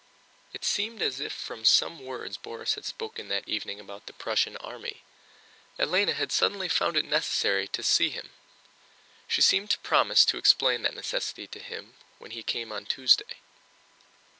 It seemed as if from some words Borís had spoken that evening about the Prussian army, Hélène had suddenly found it necessary to see him. She seemed to promise to explain that necessity to him when he came on Tuesday.